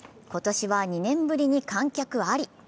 今年は２年ぶりに観客あり。